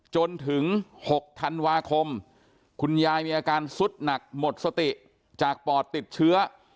จนถึง๖ธันวาคมคุณยายมีอาการสุดหนักหมดสติจากปอดติดเชื้อ